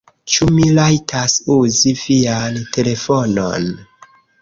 Ĉu mi rajtas uzi vian telefonon?